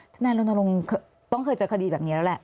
ทนายรณรงค์ต้องเคยเจอคดีแบบนี้แล้วแหละ